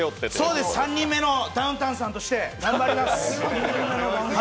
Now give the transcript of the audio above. そうです、３人目のダウンタウンさんとして頑張ります！